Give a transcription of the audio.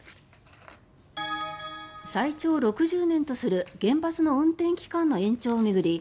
最長６０年とする原発の運転期間の延長を巡り